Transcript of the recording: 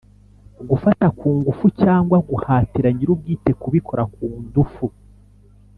gufata ku ngufu cyangwa guhatira nyirubwite kubikora kundufu